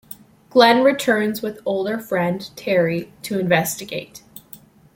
Glen returns with older friend Terry to investigate.